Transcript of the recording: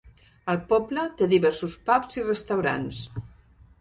El poble té diversos pubs i restaurants.